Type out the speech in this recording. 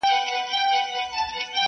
دا انجام وي د خپل قام د غلیمانو,